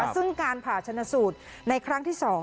ซึ่งการผ่าชนสูตรในครั้งที่๒